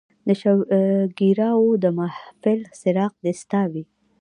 د شوګیراو د محفل څراغ دې ستا وي